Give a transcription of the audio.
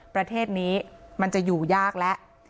ประเทศนี้มันจะอยู่ยากแล้ว